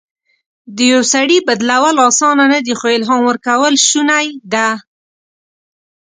د یو سړي بدلول اسانه نه دي، خو الهام ورکول شونی ده.